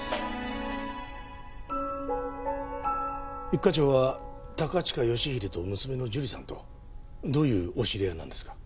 一課長は高近義英と娘の樹里さんとどういうお知り合いなんですか？